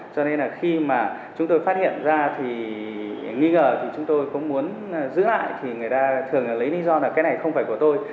cho nên là khi mà chúng tôi phát hiện ra thì nghi ngờ thì chúng tôi cũng muốn giữ lại thì người ta thường lấy lý do là cái này không phải của tôi